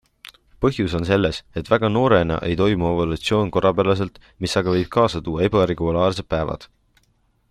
Põhjus on selles, et väga noorena ei toimu ovulatsioon korrapäraselt, mis aga võib kaasa tuua ebaregulaarsed päevad.